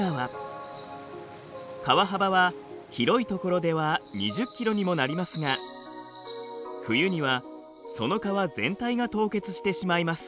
川幅は広い所では２０キロにもなりますが冬にはその川全体が凍結してしまいます。